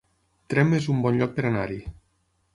Tremp es un bon lloc per anar-hi